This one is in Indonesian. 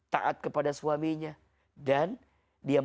maka dia bisa menjaga diri